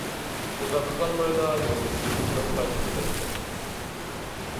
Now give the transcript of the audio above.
ئۇزاققا قالمايلا يولدىشى ئېتىزدىن قايتىپ كېلەتتى.